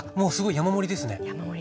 山盛りです。